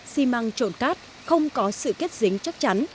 xi măng trộn cát không có sự kết dính chắc chắn